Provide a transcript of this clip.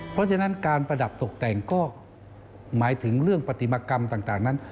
เพราะฉะนั้นการประดับตกแต่งก็หมายถึงเรื่องปฏิมากรรมต่างนั้น